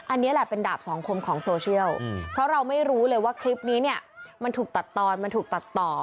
อันนี้แหละเป็นดาบสองคมของโซเชียลเพราะเราไม่รู้เลยว่าคลิปนี้เนี่ยมันถูกตัดตอนมันถูกตัดต่อ